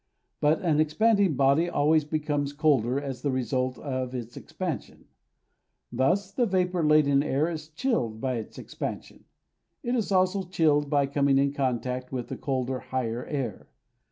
But an expanding body always becomes colder as the result of its expansion. Thus the vapour laden air is chilled by its expansion. It is also chilled by coming in contact with the colder, higher air.